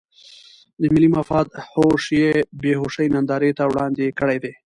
د ملي مفاد هوش یې بې هوشۍ نندارې ته وړاندې کړی دی.